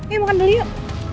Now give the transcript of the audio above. eh makan dulu yuk